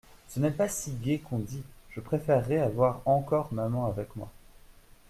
Ce n'est pas si gai qu'on dit, je préférerais avoir encore maman avec moi.